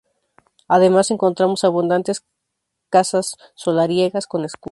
Además encontramos abundantes casas solariegas con escudo.